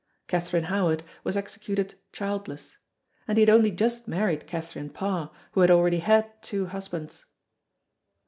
Catherine Howard was executed childless. And he had only just married Catherine Parr, who had already had two husbands.